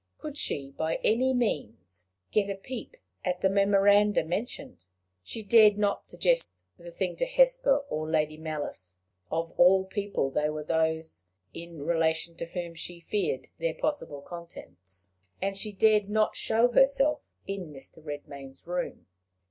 Could she by any means get a peep at the memoranda mentioned? She dared not suggest the thing to Hesper or Lady Malice of all people they were those in relation to whom she feared their possible contents and she dared not show herself in Mr. Redmain's room.